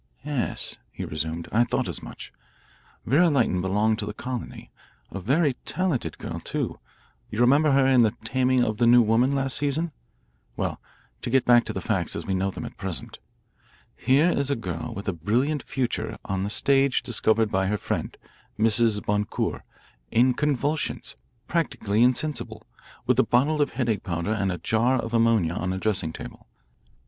"Yes," he resumed, "I thought as much. Vera Lytton belonged to the colony. A very talented girl, too you remember her in 'The Taming of the New Woman' last season? Well, to get back to the facts as we know them at present. "Here is a girl with a brilliant future on the stage discovered by her friend, Mrs. Boncour, in convulsions practically insensible with a bottle of headache powder and a jar of ammonia on her dressing table. Mrs.